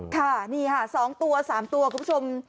ค่ะนี่ค่ะ๒ตัว๓ตัวคุณผู้ชม